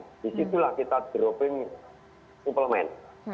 disitulah kita dropping suplemen